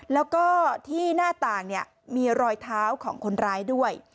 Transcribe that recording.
แล้วก็ที่หน้าต่างมีรอยเท้าของคนร้ายด้วย